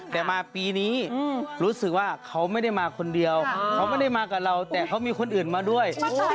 แต่มาปีนี้รู้สึกว่าเขาไม่ได้มาคนเดียวเขาไม่ได้มากับเราแต่เขามีคนอื่นมาด้วย